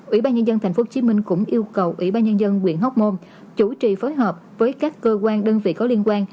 ủy ban nhân dân tp hcm cũng yêu cầu ủy ban nhân dân quyện hóc môn chủ trì phối hợp với các cơ quan đơn vị có liên quan